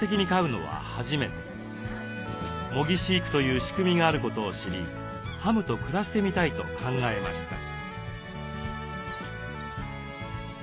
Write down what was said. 模擬飼育という仕組みがあることを知りハムと暮らしてみたいと考えました。